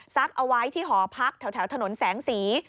เอาไว้ที่หอพักแถวถนนแสงสี